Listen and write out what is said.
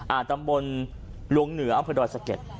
อ่าตำบลลวงเหนืออัมพฤดอยสะเก็ด